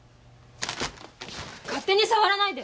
勝手に触らないで！